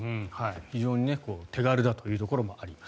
非常に手軽だというところもあります。